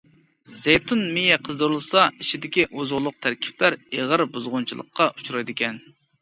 زەيتۇن مېيى قىزدۇرۇلسا ئىچىدىكى ئوزۇقلۇق تەركىبلەر ئېغىر بۇزغۇنچىلىققا ئۇچرايدىكەن.